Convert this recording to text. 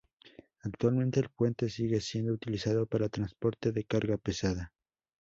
Actualmente el puente sigue siendo utilizado para transporte de carga pesada.